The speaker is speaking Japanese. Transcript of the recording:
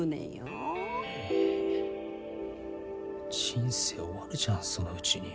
人生終わるじゃんそのうちに。